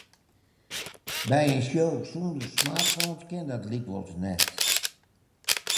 By in show sûnder smartphones kin dat lykwols net.